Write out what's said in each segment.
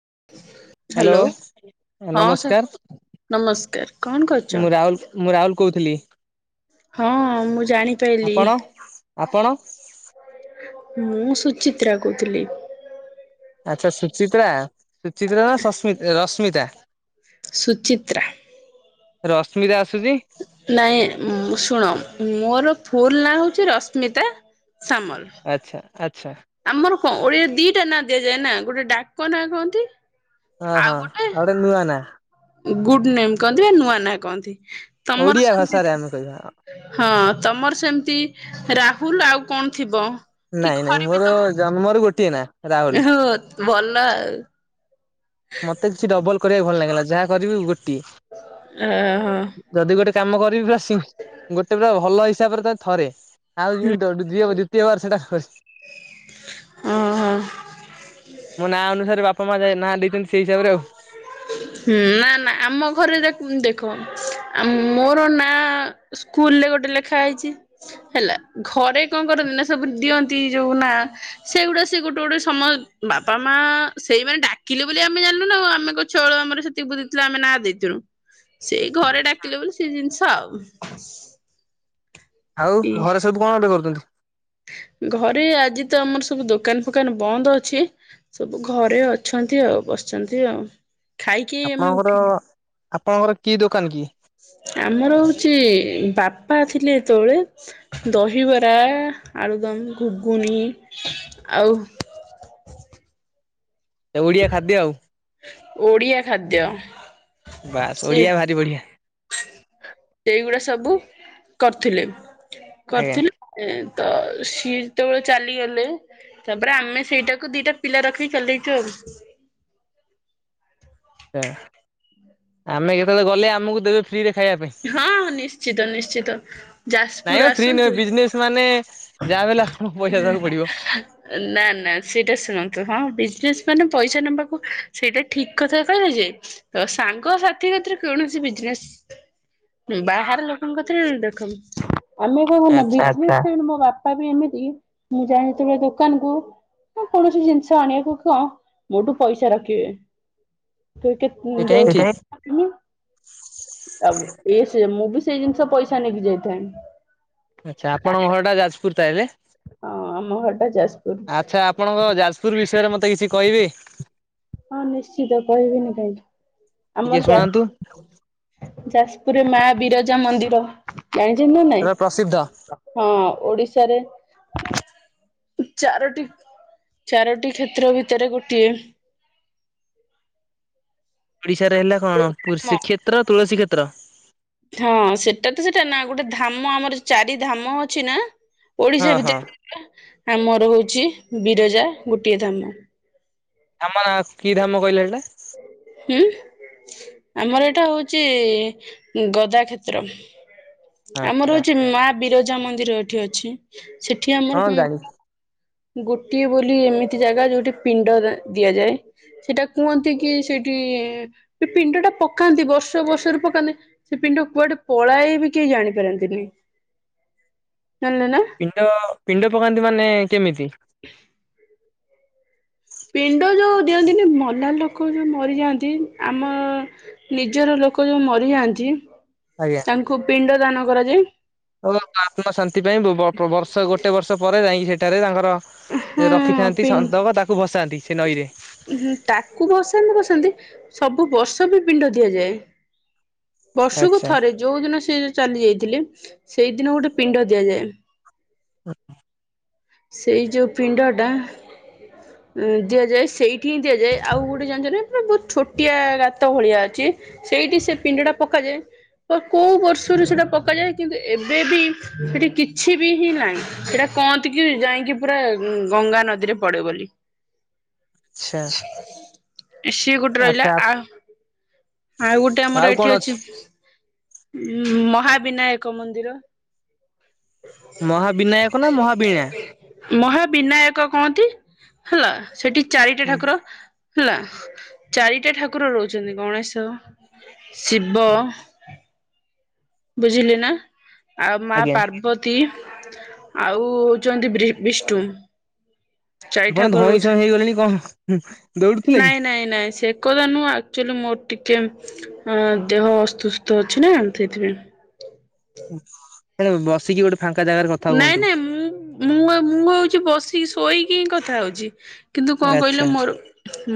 [inaudible] Hello ହଁ sir ନମସ୍କାର। ନମସ୍କାର କଣ କରୁଛ? ମୁଁ ରାହୁଲ ମୁଁ ରାହୁଲ କହୁଥିଲି ହଁ ମୁଁ ଜାଣିପାଇଲି। ଆପଣ ଆପଣ ମୁଁ ସୁଚିତ୍ରା କହୁଥିଲି। ଆଚ୍ଛା ସୁଚିତ୍ରା ସୁଚିତ୍ରା ନା ଶସ୍ମି ରଶ୍ମିତା। ସୁଚିତ୍ରା। ରଶ୍ମି ଦାସ୍ ନାଇଁ ଶୁଣ ମୋର ଫୁଲ୍ ନାଁ ହଉଛି ରଶ୍ମିତା। ସାମଲ। ଆଚ୍ଛା ଆଚ୍ଛା ଆମର ଙ୍କ ଓଡିଆରେ ଦିଟା ନାଁ ଦିଆଯାଏ ନା। ଗୋଟେ ଡାକ ନାଁ କହନ୍ତି। ହଁ ହଁ ଆଉଟେ ନୂଆ ନା। ଗୁଡ୍ ନେମ କହନ୍ତି। ନୂଆ ନାଁ କହନ୍ତି। ତମର ଓଡିଆ ସେମତି ଭାଷାରେ ଆମେ କହିବା ହଁ ତମର ସେମତି ରା ଫୁଲ୍ ଆଉ କଣ ଥିବ। ନାଇଁ ନାଇଁ ମୋର ଜନ୍ମରୁ ଗୋଟିଏ ନା। ରାହୁଲ ହଁ ଭଲ ଆଉ। ମତେ କିଛି ଡବଲ କରିବାକୁ ଭଲ ଲାଗିଲା ଯାହା କରିବି ଗୋଟ୍ ଅ ହ। ଯଦି ଗୋଟେ କାମ କରିବି ପୁରା ସିମ ଗୋଟେ ପୁରା ଭଲ ହିସାବରେ ତାକ୍ ଥରେ ଆଉ ଯିମିତ ଦେଡ୍ ଯିଏ ବୋଲି ତେୱାର ସେଟା ହସ୍ ଓହୋ ମୋ ନାଁ ଅନୁସାରେ ବାପ୍ କମା ଯାଏ ନାହାଲି ପେନସ୍ ହୁଁ ନା ନା ଆମ ଘରେ ଦେଖ୍ ଉଁ ଦେଖ୍। କ ଆ ମୋର ନାଁ ସ୍କୁଲରେ ଗୋଟେ ଲେଖା ହେଇଚି ହେଲା। ଘରେ କଣ କରନ୍ତି ନା ସବୁ ଦିଅନ୍ତି ଯୋଉ ନାଁ ସେଇଗୁଡ଼ା ସିଏ ଗୋଟେ ଗୋଟେ ସମ ବାପା ମା ସେଇମାନେ ଡାକିଲେ ବୋଲି ଆମେ ଜାଣିଲୁ ନା ଆଉ ଆମେ ଛୁଆବେଳୁ ଆମର ସେତିକି ବୁଧିଥିଲା ଆମେ ନାଁ ଦେଇଥିଲୁ। ସେଇ ଘରେ ଡାକିଲେ ବୋଲି ସେ ଜିନିଷ ଆଉ। ଆଉ ଘରେ ସବୁ କଣ ଏବେ କରୁଚନ୍ତି। ଘରେ ଆଜି ତ ଆମର ସବୁ ଦୋକାନ ଫୋକାନ ବନ୍ଦ ଅଛି। ସବୁ ଘରେ ଅଛନ୍ତି ଆଉ ବସିଚନ୍ତି ଆଉ। ଖାଇକି ଆମେ ଆପଣଙ୍କର ଉଠିଲୁ। ଆପଣଙ୍କର କି ଦୋକାନ କି? ଆମର ହଉଚି ଏ ବାପ୍ ପା ଥିଲେ ଯେତେବେଳେ ଦହିବରା ଆଳୁଦମ ଘୁଗୁନି। ଆଉ। ଅ ଓଡିଆ ଖାଦ୍ୟ ଆଉ। ଓଡିଆ ଖାଦ୍ୟ। ବାସ୍ ସେ ଓଡ଼ିଆ ଭାରି ବଢ଼ିଆ ସେଇଗୁଡା ସବୁ କରିଥିଲେ ଆଜ୍ଞା। କରିଥିଲେ ଏଁ ତ ସିଏ ଯେତେବେଳେ ଚାଲିଗଲେ ତାପରେ ଆମେ ସେଇଟାକୁ ଦିଟା ପିଲା ରଖିକି ଚଲେଇଚୁ ଆଉ। ଆ ଆମେ କେତବେଳେ ଗଲେ ଆମକୁ ଦେବେ। ଫ୍ରିରେ ଖାଇବା ପାଇଁ ହଁ ନିଶ୍ଚିତ ନିଶ୍ଚିତ ନାଇଁ ମ ଯାଜପୁର ଫ୍ରି ନୁହେଁ ଆସନ୍ତୁ। ବିଜନେସ୍ ମାନେ ଯାହା ବି ହେଲେ ଆପଣଙ୍କୁ ପଇସା ଦବାକୁ ପଡ଼ିବ ନା ନା ସେଟା ଶୁଣନ୍ତୁ ହଁ ବିଜନେସ୍। ମାନେ ପଇସା ନବାକୁ ସେଇଟା ଠିକ କଥା କହିଲେ ଯେ ତ ସାଙ୍ଗ ସାଥିରେ ଥିରେ କୈଣେସି ବିଜନେ ବେଶ୍ ବାହାର ଲୋକଙ୍କ କତିରେ ଦେଖନି ଆମେ କଣ କରୁନା ବିଜନେସ। ଆଚ୍ଛା [unintelligible] ବାପା ବି ଏମିତି ମୁଁ ଯାଇଁ ଥିବି ଦୋକାନ କୁ ମୁଁ କୌଣସି ଜିନିଷ ଆଣିବାକୁ କଁ ମୋଠୁ ପଇସା ରଖିବେ। କେ କେତେ ସେଇଟା ଯୋଉ ହିଁ ଠିକ୍। ଅଁ [unintelligible] କିଏ ମୁଁ ବି ସେଇ ଜିନିଷ ପଇସା ନେଇକିରି ଯାଇଥାଏ। ଆଚ୍ଛା ଆପଣଙ୍କ ଘର ଟା ଯାଜପୁର ତା ହେଲେ। ହଁ ଆମ ଘରଟା ଯାଜପୁର ଆଚ୍ଛା ଆପଣଙ୍କ ଯାଜପୁର ବିଷୟରେ ମତେ କିଛି କହିବେ? ହଁ ନିଶ୍ଚିତ କହିବିନି କାହିଁକି ଟିକେ ଆମର ଶୁଣାନ୍ତୁ ଯାଜ୍ ଯାଜପୁରରେ ମା ବିରଜା ମନ୍ଦିର। ଜାଣିଚନ୍ତି ନା ନାଇଁ ପୁରା ପ୍ରସିଦ୍ଧ ହଁ ଓଡିଶାରେ ଚାରୋଟି ଚାରୋଟି କ୍ଷେତ୍ର ଭିତରେ ଗୋଟିଏ। ଓଡିଶାରେ ହେଲା କଣ ପୁରୀ ଆମ ଶ୍ରୀକ୍ଷେତ୍ର ତୁଳସୀ କ୍ଷେତ୍ର। ହଁ ସେଟା ତ ସେଟା ନା ଗୋଟେ ଧାମ ଆମର ଚାରି ଧାମ ଅଛି ନା। ହଁ ଓଡିଶା ହଁ ଭିତରେ ଆମର ହଉଚି ବିରଜା ଗୋଟିଏ ଧାମ। ଧାମ ନା କି ଧାମ କହିଲେ ହେଟା? ହୁଁ ଆମର ଏଇଟା ହଉଛି ଗଦା କ୍ଷେତ୍ର। ଆମର ଆଚ୍ଛା ହଉଚି ମା ବିରଜା ମନ୍ଦିର ଏଠି ଅଛି। ସେଠି ହଁ ଆମର ଜାଣିଚି ଗୋଟିଏ ବୋଲି ଏମିତି ଜାଗା ଯୋଉଠି ପିଣ୍ଡ ଦ ଦିଆଯାଏ। ସେଟା କୁହନ୍ତି କି ସେଇଠି କି ପିଣ୍ଡ ଟା ପକାନ୍ତି ବର୍ଷ ବର୍ଷରେ ପକାନ୍ତି। ସେ ପିଣ୍ଡ କୁଆଡେ ପଳାଏ ବି କେହି ଜାଣିପାରନ୍ତିନି। ଜାଣିଲେ ନା। ପିଣ୍ଡ ପିଣ୍ଡ ପକାନ୍ତି ମାନେ କେମିତି? ପିଣ୍ଡ ଯୋଉ ଦିଅନ୍ତିନି ମଲା ଲୋକ ଯୋଉ ମରିଯାଆନ୍ତି ଆମ ନିଜର ଲୋ ଲୋକ ଯୋଉ ମରିଯାଆ [unintelligible] ଆତ୍ମା ଶାନ୍ତି ପାଇଁ ବ-ବ-ବର୍ଷ ଗୋଟେ ବର୍ଷ ପରେ ଯାଇକି ସେଠାରେ ତାଙ୍କର ହଁ ସେ ରଖିଥାନ୍ତି ପି ସନ୍ତକ ତାକୁ ଭସାନ୍ତି ସେ ନଈରେ। ତାକୁ ବସାନ୍ତି ବସାନ୍ତି ସବୁ ବର୍ଷ ବି ପିଣ୍ଡ ଦିଆଯାଏ। ବର୍ଷକୁ ଆଚ୍ଛା। ଥରେ ଯୋଉ ଦିନ ସେ ଚାଲି ଯାଇଥିଲେ ସେଇଦିନ ଗୋଟେ ପିଣ୍ଡ ଦିଆଯାଏ। ହଁ। ସେଇ ଯଉ ପିଣ୍ଡଟା ଦିଆଯାଏ ସେଇଠି ହିଁ ଦିଆଯାଏ ଆଉ ଗୋଟେ ଜାଣିଛ ନା ପୁରା ବହୁତ ଛୋଟିଆ ଗାତ ଭଳିଆ ଅଛି। ସେଇଠି ସେ ପିଣ୍ଡ ଟା ପକାଯାଏ। କୋଉ ବର୍ଷରୁ ସେଟା ପକାଯାଏ କିନ୍ତୁ ଏବେ ବି ସେଠି କିଛି ବି ହିଁ ନାହିଁ ସେଟା କହନ୍ତି କି ଯାଇକି ପୁରା ଗଙ୍ଗା ନଦୀରେ ପଡେ ବୋଲି। ଛା। ସିଏ ଗୋଟେ ରହିଲା ଆଚ୍ଛା ଆଉ ଆଚ୍ଛା ଆଉ ଗୋଟେ ଆଉ ଆମର କଣ ଏଠି ଅଛି। ମହାବିନାୟକ ମନ୍ଦିର। ମହାବିନାୟକ ନା ମହାବିଣା? ମହାବିନାୟକ କହନ୍ତି ହେଲା ସେଠି ଚାରିଟା ଠାକୁର। ହେଲା ଚାରିଟା ଠାକୁର ରହୁଛନ୍ତି ଗଣେଶ, ଶିବ, ବୁଝିଲେ ନା ଆଉ ମା ଆଜ୍ଞା ପାର୍ବତୀ, ଆଉ ହଉଛନ୍ତି ବି-ବିଷ୍ଠୁ। ଜାଇ ଆପଣ ଠାକୁର ଧଇଁ ସଇଁ ରହୁଛି ହେଇଗଲେଣି କଣ ଦୌଡୁଥିଲେ କି? ନାଇଁ ନାଇଁ ନାଇଁ ସେ କଥା ନୁହଁ ଆକ୍ଚୁଆଲି ମୋର ଟିକେ ଅଁ ଦେହ ଅସୁସ୍ଥ ଅଛି ନା ସେଥିପାଇଁ। [inaudible] ସେ [unintelligible] ବସିକି ଗୋଟେ। ଫାଙ୍କା ଜାଗାରେ କଥା ନାଇଁ ହୁଅନ୍ତୁ। ନାଇଁ ମୁଁ ମୁଁ ମୁଁ ହଉଛି ବସିକି ଶୋଇକି ହିଁ କଥା ହଉଛି। କିନ୍ତୁ କଣ କହିଲେ ଆଚ୍ଛା। ମୋର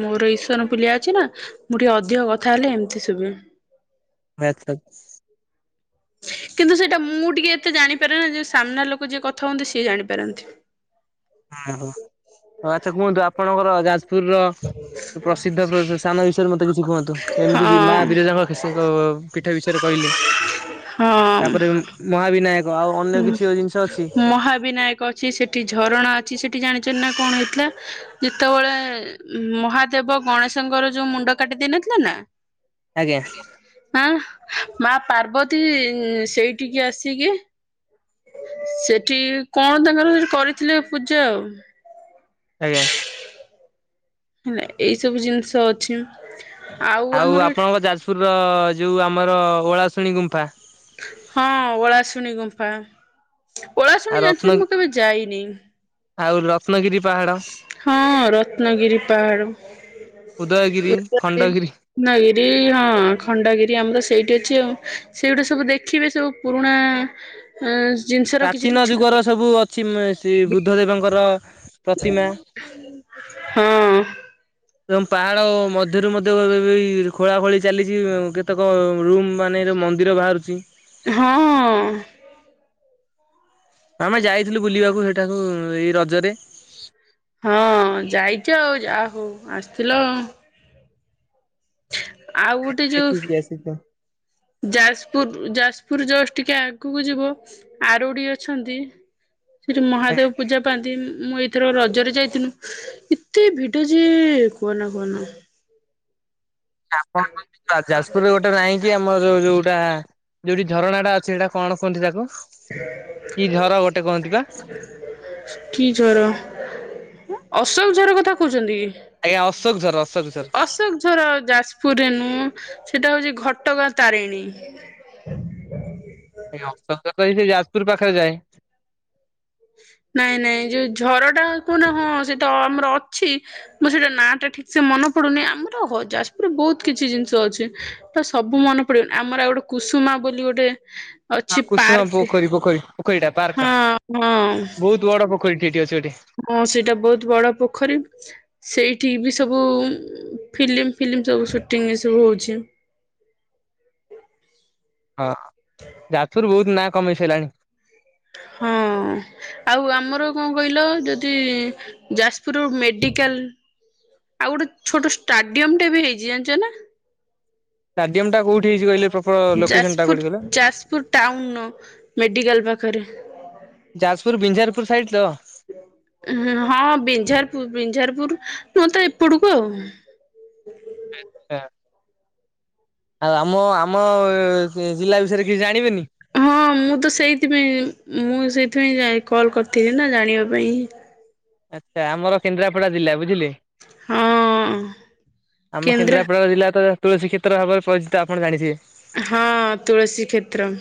ମୋର ଈଶନଫୁଲିଆ ଅଛି ନା ମୁଁ ଟିକେ ଅଧିକ କଥା ହେଲେ ଏମିତି ଶୁଭେ। ଆଚ୍ଛା। [inaudible] କିନ୍ତୁ ସେଇଟା ମୁଁ ଟିକେ ଏତେ ଜାଣିପାରେ ନା ଯେ ସାମ୍ନା ଲୋକ ଯିଏ କଥା ହୁଅନ୍ତି ସିଏ ଜାଣିପାରନ୍ତି। ଓ ହୋଉ ଆଚ୍ଛା କୁହନ୍ତୁ ଆପଣଙ୍କର ଯାଜପୁରର ପ୍ରସିଦ୍ଧ ସ୍ଥାନ ବିଷୟରେ ମତେ କିଛି କୁହନ୍ତୁ ଏମିତି ମା ହଁ ବିରଜା ପିଠ ବିଷୟରେ କହିଲେ। [inaudible] ତାପରେ ମହାବିନାୟ ହୁଁ ମହାବିନାୟକ ଅଛି ସେଠି ଝର ଣା ଅଛି ସେଠି ଜାଣିଛନ୍ତି ନା କଣ ହେଇଥିଲା ଯେତେବେଳେ ମହାଦେବ ଗଣେଶଙ୍କର ଯୋଉ ମୁଣ୍ଡ କାଟିଦେଇ ନଥିଲେ ନା ଆଜ୍ଞା। ଆଁ। ମା ପାର୍ବତୀ ସେଇଠିକି ଆସିକି ସେଠି କଣ ତାଙ୍କର ସେଠି କରିଥିଲେ ପୂଜା ଆଉ। ଆଜ୍ଞା। ହେଲା ଏଇ ସବୁ ଜିନିଷ ଅଛି। ଆଉ ଆପଣଙ୍କ ଯାଜପୁରର ଯୋଉ ଆମର ଓଳାଶୁଣୀ ଗୁମ୍ଫା। ହଁ ଓଳାଶୁଣି ଗୁମ୍ଫା ଆଉ ଓଳାଶୁଣି ରତ୍ନ ଜାଣିଥିଲି ମୁଁ କେବେ ଯାଇନି? ଆଉ ରତ୍ନଗିରି ପାହାଡ଼ ହଁ ରତ୍ନଗିରି ପାହାଡ। ଉଦୟଗିରି ଖଣ୍ଡଗିରି ଉଦୟଗିରି ହଁ ଖଣ୍ଡଗିରି ଆମର ସେଇଠି ଅଛି ଆଉ। ସେଗୁଡା ସବୁ ଦେଖିବେ ସବୁ ପୁରୁଣା ଅ ପ୍ରାଚୀନ ଯୁଗର ସବୁ ଅଛି ସେ ବୁଦ୍ଧ ଦେବଙ୍କର ପ୍ରତିମା ହଁ। ଏବଂ ପାହାଡ ମଧ୍ୟରୁ ଏଇ ମଧ୍ୟ ଖୋଳା ଖୋଳି ଚାଲିଛି କେତେକ ରୁମ ମାନେ ମନ୍ଦିର ବାହାରୁଛି। ହଁ ଆମେ ଯାଇଥିଲୁ ବୁଲିବାକୁ ସେଠାକୁ, ଏଇ ରଜରେ। ହଁ ଯାଇଛ ଆଉ, ଯା ହଉ ଆସିଥିଲ। ଆଉ ଗୋଟେ ଯୋଉ, ଦେଖିକି ଆସିଛୁ। ଯାଜପୁର, ଯାଜପୁର ପୁର ଜଷ୍ଟ ଟିକେ ଆଗକୁ ଯିବ ଆରଡି ଅଛନ୍ତି। ସେଠି ମହାଦେବ ପୂଜା ପାଆନ୍ତି। ମୁଁ ଏଇଥର ରଜରେ ଯାଇଥିଲୁ, ଏତେ ଭିଡ ଯେ କୁହନା କୁହନା। ଆପଣ ଯାଜପୁରରେ ଗୋଟେ ନାହିଁ କି- ଆମର ଯୋଉ ଯୋଉ ପଟା ଯୋଉଠି ଝରଣା ଟା ଅଛି, ସେଇଟା କଣ କୁହନ୍ତି ତାକୁ? କି ଝର ଗୋଟେ କୁହନ୍ତି ପା। କି ଝର? ଅଶୋକ ଝର କଥା କହୁଛନ୍ତି କି? ଆଜ୍ଞା ଅଶୋକ ଝର ଅଶୋକ ଝର। ଅଶୋକ ଝର, ଯାଜପୁରରେ ନୁହଁ ସେଟା ହଉଛି ଘଟ ଘଟଗାଁ ତାରିଣୀ। ନାଇ ଅଶୋକ ଝର ଟା ତ ସେଇ ଯାଜପୁର ପାଖରେ ଯାଏ। [inaudible] ନାଇଁ ନାଇଁ ଯୋଉ ଝର ଟା କୁହନ, ହଁ ସେଇଟା ଆମର ଅଛି, ମୁଁ ସେଇଟା ନାଁ ଟା ଠିକ ସେ ମନ ପଡୁନି, ଆମର ଯାଜପୁରରେ ବହୁତ କିଛି ଜିନିଷ ଅଛି, ତ ସବୁ ମନ ପଡିବନି ଆମର ଗୋଟେ କୁସୁମ ବୋଲି ଗୋଟେ ଅଛି ହଁ କୁସୁମା ପାର୍କଟେ ପୋଖରୀ, ପୋଖରୀ, ପୋଖରୀ ଟା, ହଁ ପାର୍କା ଟା ହଁ ବହୁତ ବଡ ପୋଖରୀଠେ ଅଛି ସେଠି। ହଁ ସେଇଟା ବହୁତ ବଡ ପୋଖରୀ ସେଇଠିକ ବି ସବୁ ଫିଲ୍ମ, ଫିଲ୍ମ ସବୁ ସୁଟିଙ୍ଗ ଏ ସବୁ ହଉଛି। ହଁ ଯାଜପୁର ବହୁତ ନାଁ କମେଇ ସାରିଲାଣି। ହଁ ହଁ, ଆଉ ଆମର କଣ କହିଲ ଯଦି- ଯାଜପୁର ମେଡିକାଲ ଆଉ ଗୋଟେ ଛୋଟ ଷ୍ଟାଡିୟମ ଟା ବି ହେଇଛି ଜାଣିଛ ନା? ଷ୍ଟାଡିୟମ୍ ଟା କଉଠି ହେଇଛି କହିଲେ? ପ୍ରପର ଲୋକେସନ ଟା କୋଉଠି ଯାଜପୁର, କହିଲ? ଯାଜପୁର ଟାଉନର ମେଡିକାଲ ପାଖରେ। ଯାଜପୁର ବିଞ୍ଜାରପୁର ସାଇଡ ତ। ପୁର ନୁହେଁ ତା ଏପଟକୁ ଆଉ। ହଁ। ଆଉ ଆମ ଆମ ଜିଲ୍ଲା ବିଷୟରେ କିଛି ଜାଣିବେନି? ହଁ କେମିତି ଜାନିଲି ତଁ କଲ୍ କରିଥିଲି ନା ଜାଣିବା ପାଇଁ। ଆଛା, ଆମର କେନ୍ଦ୍ରାପଡା ଜିଲ୍ଲା ବୁଝିଲେ। ହଁ ଆମ କେନ୍ଦ୍ର କେନ୍ଦ୍ରାପଡ଼ା ଜିଲ୍ଲା ତ ତୁଳସୀ କ୍ଷେତ୍ର ଭାବରେ ପରିଚିତ ଆପଣ ଜାଣିିଥିବେ? ହଁ ତୁଳସୀକ୍ଷେତ୍ର।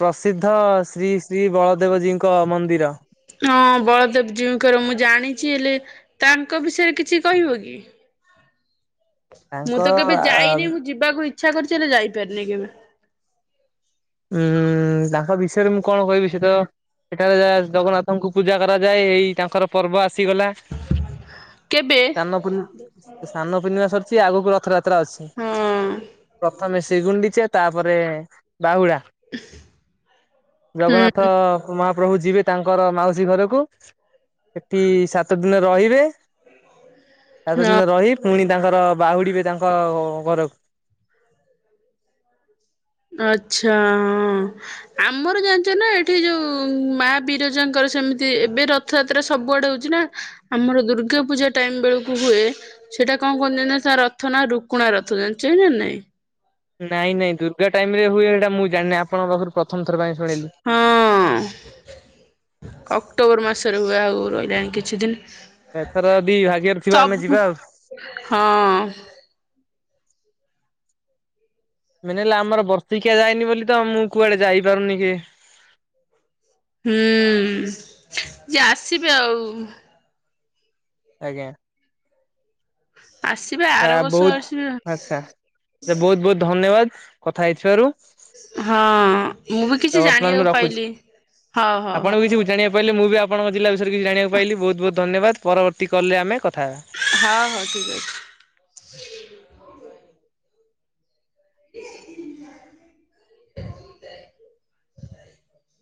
ପ୍ରସିଦ୍ଧ ଶ୍ରୀ ଶ୍ରୀ ବଳଦେବଜୀଙ୍କ ମନ୍ଦିର। ହଁ ବଳଦେବ ଜୀଉଙ୍କର ମୁଁ ଜାଣିଛି ହେଲେ, ତାଙ୍କ ବିଷୟରେ କିଛି କହିବ କି? ତାଙ୍କ ମୁଁ ତ କେବେ ଯାଇନି ମୁଁ ଯିବାକୁ ଇ ଇଛା କରିଚି, ହେଲେ ଯାଇପାରିନି। ମୁଁ ତାଙ୍କ ବିଷୟରେ ମୁଁ କଣ କହିବି, ସେ ତ ସେଠାରେ ଯାହା ଜଗନ୍ନାଥଙ୍କୁ ପୂଜା କରାଯାଏ, ଏଇ ତାଙ୍କର ପର୍ବ ଆସ ଆସିଗଲା କେବେ ସ୍ନାନ ପୂର୍ଣ୍ଣିମା, ସ୍ନାନ ପୂର୍ଣ୍ଣିମା ସରିଛି ଆଗକୁ ରଥଯାତ୍ରା। ଯାତ୍ରା ଅଛି ହଁ ପ୍ରଥମେ ଶ୍ରୀଗୁଣ୍ଡିଛେ ତାପରେ ବାହୁଡ଼ା, ହୁଁ। ଜଗନ୍ନାଥ ମହା ପ୍ରଭୁ, ଯିବେ ତାଙ୍କର ମାଉସୀ ଘରକୁ, ସେଠି ସାତ ଦିନ ରହିବେ। ସାତ ହଁ ଦିନ ରହି ପୁଣି, ତାଙ୍କର ବାହୁଡିିବେ ତାଙ୍କ ଘରକୁ। ଆଛା ଆମର ଜାଣିଛ ନା, ଏଠି ଯୋଉ ମା ବିରଜାଙ୍କର ସେମିତି ଏବେ ରଥଯାତ୍ରା ସବୁଆଡେ ହଉଛି ନା ଆମର ଦୁର୍ଗା ପୂଜା ଟାଇମ ବେଳକୁ ହୁଏ। ସେଇଟା କଣ କୁହନ୍ତି ଜ ତା ରଥ ନା ରୁକୁଣା ରଥ ଜାଣିଚନ୍ତି ନା ନାଇଁ? ନାଇଁ ନାଇଁ ଦୁର୍ଗା ଟାଇମ ରେ ହୁଏ। ସେଇଟା ମୁଁ ଜାଣିନି। ଆପଣଙ୍କ ପାଖରୁ ପ୍ରଥ ପ୍ରଥମ ଥର ପାଇଁ ଶୁଣିଲି। ହଁ। ଅକ୍ଟୋବର ମାସରେ ହୁଏ। ଆଉ ରହିଲାଣି କିଛିଦିନ। ଏଥର ଯଦି ଭାଗ୍ୟରେ ଥିବା ଆମେ ସବୁ ଯିବା ଆଉ। ହଁ। ମେନ ହେଲା ଆମର ବର୍ଷିକିଆ ଯାଇନି ବୋଲି ତ ମୁଁ କୁଆଡେ ଯାଇପାରୁନି କି? ହୁଁ ଯେ ଆସିବେ ଆଉ। ଆଜ୍ଞା। ଆସିବେ ଆ ଆର ବର୍ଷ ଆସିବେ ଆଉ। ବହୁତ ଆଚ୍ଛା ବହୁତ ବହୁତ ଧନ୍ୟବାଦ କଥା ହେଇଥିବାରୁ। ହଁ ମୁଁ ବି ତ କିଛି ବର୍ତ୍ତମାନ ମୁଁ ଜାଣିବାକୁ ରଖୁଛି। ପାଇଲି। ହଉ ହଉ ଆପଣ ହଉ। ବି କିଛି ଜାଣିବାକୁ ପାଇଲେ ମୁଁ ବି ଆପଣଙ୍କ ଜିଲ୍ଲା ବିଷୟରେ କିଛି ଜାଣିବାକୁ ପାଇଲି ବହୁତ ବହୁତ ଧନ୍ୟବାଦ ପରବର୍ତ୍ତି କଲରେ ଆମେ କଥା ହେବା। ହଁ ହଁ ଠିକ ଅଛି। [unintelligible]